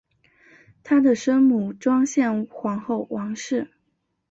她的生母庄宪皇后王氏。